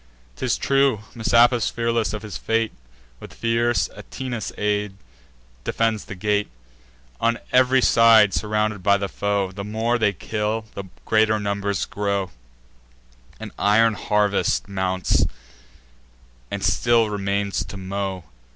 'Tis true, Messapus, fearless of his fate, With fierce Atinas' aid, defends the gate: On ev'ry side surrounded by the foe, The more they kill, the greater numbers grow; An iron harvest mounts, and still remains to mow.